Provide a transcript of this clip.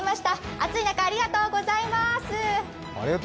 暑い中、ありがとうございます。